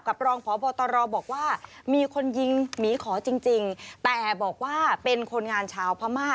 รองพบตรบอกว่ามีคนยิงหมีขอจริงจริงแต่บอกว่าเป็นคนงานชาวพม่า